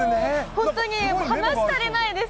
本当に話し足りないです。